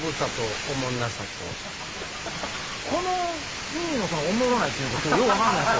この意味のおもろないっていうのよく分からないんすよ